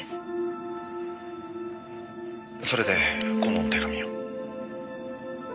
それでこの手紙を。